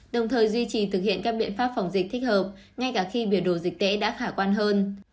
đồng thời duy trì thực hiện các biện pháp phòng dịch thích hợp ngay cả khi biểu đồ dịch tễ đã khả quan hơn